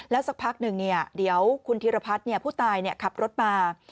สักพักหนึ่งเดี๋ยวคุณธิรพัฒน์ผู้ตายขับรถมา